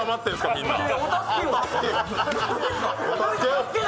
みんな。